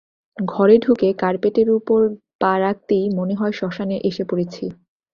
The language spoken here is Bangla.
ঘরে ঢুকে কার্পেটের উপর পা রাখতেই মনে হয় শ্মশানে এসে পড়েছি।